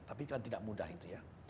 tapi kan tidak mudah itu ya